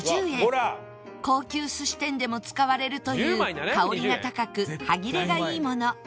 高級寿司店でも使われるという香りが高く歯切れがいいもの